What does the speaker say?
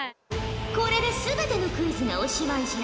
これで全てのクイズがおしまいじゃ。